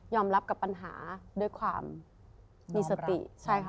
ยอมรับกับปัญหาด้วยความมีสติ